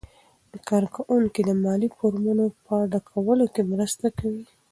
کارکوونکي د مالي فورمو په ډکولو کې مرسته کوي.